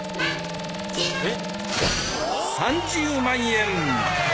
３０万円！